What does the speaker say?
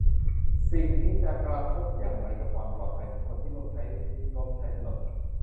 สิ่งนี้จะกระทบอย่างไรกับความปลอดภัยของคนที่ร่วมใช้รถใช้ถนน